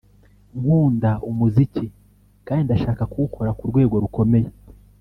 nkunda umuziki kandi ndashaka kuwukora ku rwego rukomeye